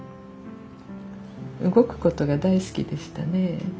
動くことが大好きでしたね。